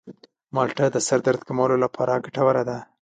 مالټه د سر درد کمولو لپاره ګټوره ده.